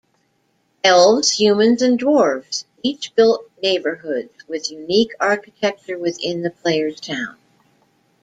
Elves, humans and dwarves each built neighborhoods with unique architecture within the player's town.